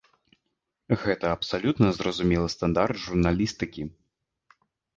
Гэта абсалютна зразумелы стандарт журналістыкі.